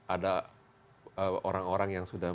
ada orang orang yang sudah